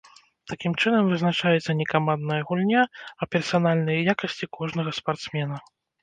Такім чынам вызначаецца не камандная гульня, а персанальныя якасці кожнага спартсмена.